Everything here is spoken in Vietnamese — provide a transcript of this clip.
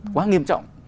quá nghiêm trọng